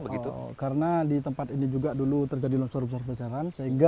karena di tempat ini juga dulu terjadi lonsor besar besaran sehingga